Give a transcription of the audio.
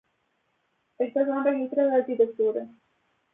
Estos son registros de arquitectura.